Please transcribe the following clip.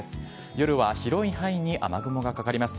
夜は広い範囲に雨雲がかかります。